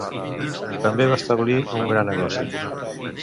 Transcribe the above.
També va establir un gran negoci.